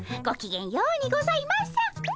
ごきげんようにございます。